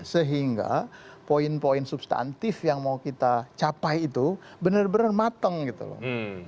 sehingga poin poin substantif yang mau kita capai itu benar benar mateng gitu loh